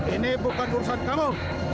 ini bukan urusan kamu